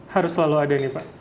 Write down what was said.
harus selalu ada nih pak